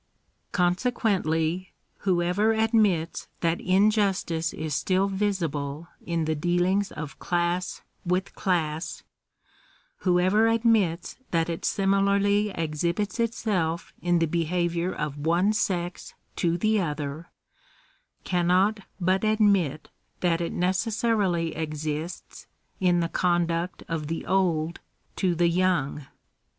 Consequently, whoever admits that injustice is still visible in the dealings of class with class — whoever admits that it similarly exhibits itself in the behaviour of one sex to the other, cannot but admit that it necessarily exists in the conduct of the old to the young.